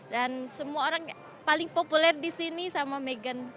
dan semua orang paling populer di sini sama meghan